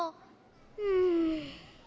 うん。